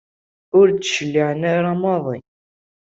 Ur d-cliɛen ara maḍi.